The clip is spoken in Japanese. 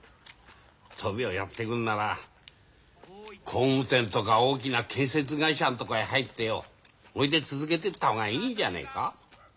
トビをやってくんなら工務店とか大きな建設会社とかに入ってよほいで続けてった方がいいんじゃねえか？